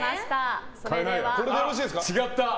あ、違った。